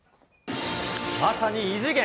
まさに異次元。